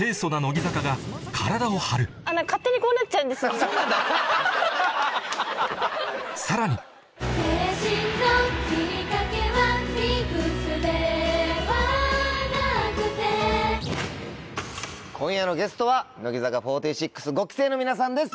理屈ではなくて今夜のゲストは乃木坂４６５期生の皆さんです。